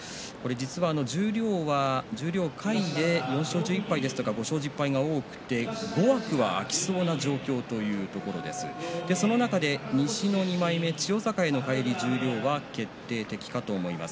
実は十両下位で４勝１１敗とか５勝１０敗が多くて５つの枠が空きそうなんですがその中で西の２枚目千代栄の十両は決定かと思います。